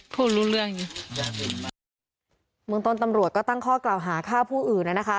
พูดรู้เรื่องจริงเมืองต้นตำรวจก็ตั้งข้อกล่าวหาฆ่าผู้อื่นอ่ะนะคะ